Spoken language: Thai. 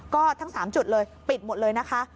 ก็ทั้ง๓จุดเลยปิดหมดเลยนะคะ